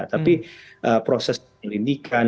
tapi proses penyelidikan penyidikan penuntutan